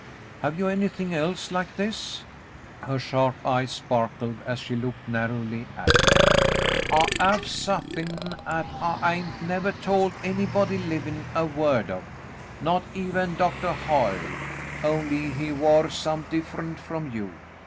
"Have you anything else — like this ?" Her sharp eyes sparkled as she looked narrowly at him. *'I have suthin' 'at I hain't nevah told anybody livin' a word of, not even Doctah Hoyle — only he war some differ'nt from you.